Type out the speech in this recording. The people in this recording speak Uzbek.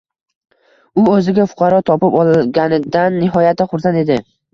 U o‘ziga fuqaro topib olganidan nihoyatda xursand edi